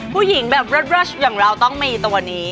ผู้หญิงแบบเลิศอย่างเราต้องมีตัวนี้